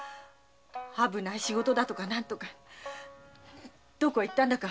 危ない仕事だってどこへ行ったんだか。